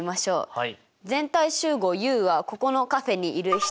はい。